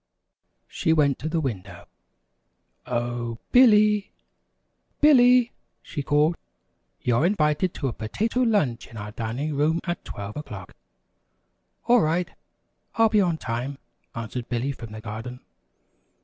She went to the window. "O h, Billy! Billy!" she called; "you're invited to a Potato Lunch in our dining room at twelve o'clock." [Illustration: "O h, Billy!"] "All right, I'll be on time," answered Billy from the garden.